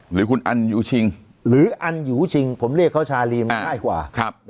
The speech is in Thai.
หรือคุณอันยูชิงหรืออันยูชิงผมเรียกเขาชาลีมันง่ายกว่า